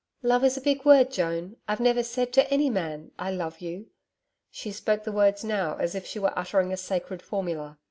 'Love is a big word, Joan. I've never said to any man "I love you."' She spoke the words now as if she were uttering a sacred formula.